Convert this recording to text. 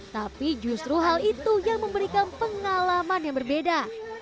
tapi justru hal itu yang memberikan pengalaman yang berbeda